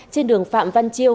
trên đường phạm văn chiêu